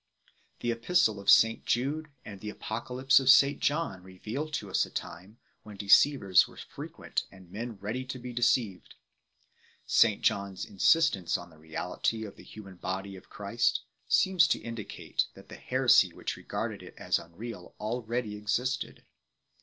The Epistle of St Jude and the Apocalypse of St John reveal to us a time when deceivers were frequent and men ready to be deceived. St John s insistance on the reality of the human body of Christ 4 seems to indicate that the heresy which regarded it as unreal already existed.